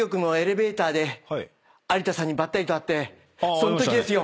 そのときですよ。